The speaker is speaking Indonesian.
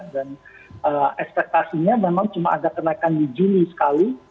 dan ekspektasinya memang cuma agak kenaikan di juni sekali